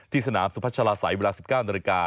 สนามสุพัชลาศัยเวลา๑๙นาฬิกา